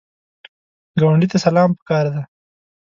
ګاونډي ته سلام پکار دی